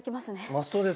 マストで。